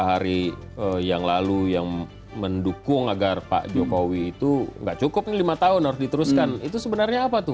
hal yang mendukung agar pak jokowi itu enggak cukup lima tahun harus diteruskan itu sebenarnya apa tuh